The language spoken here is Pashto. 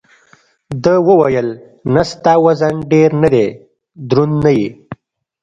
ده وویل: نه، ستا وزن ډېر نه دی، دروند نه یې.